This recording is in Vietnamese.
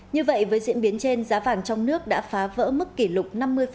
như vậy với diễn biến trên giá vàng trong nước đã phá vỡ mức kỷ lục